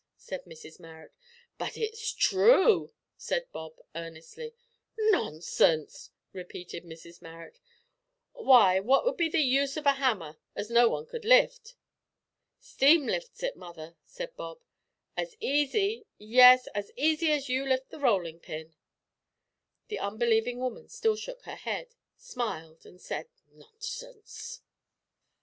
said Mrs Marrot. "But it's true," said Bob, earnestly. "Nonsense!" repeated Mrs Marrot; "w'y, what would be the use of a hammer as no one could lift?" "Steam lifts it, mother," said Bob, "as easy yes, as easy as you lift the rollin' pin." The unbelieving woman still shook her head, smiled, and said, "Nonsense!"